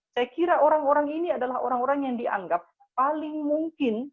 saya kira orang orang ini adalah orang orang yang dianggap paling mungkin